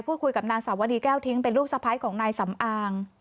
คุยกับนางสาวดีแก้วทิ้งเป็นลูกสะพ้ายของนายสำอาง